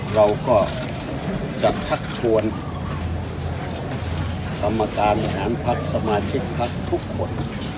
เราก็จะทักชวนธรรมการอาหารภักดิ์สมาชิกภักดิ์ทุกคน